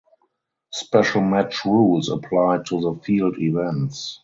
Special match rules applied to the field events.